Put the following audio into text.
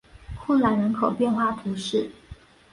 库朗人口变化图示